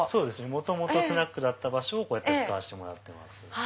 元々スナックだった場所をこうやって使わせてもらってます。